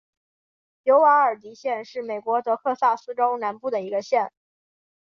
尤瓦尔迪县是美国德克萨斯州南部的一个县。